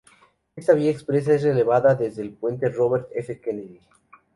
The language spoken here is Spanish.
Esta vía expresa es elevada desde el Puente Robert F. Kennedy.